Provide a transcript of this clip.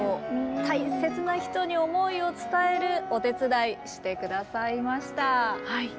大切な人に思いを伝えるお手伝いして下さいました。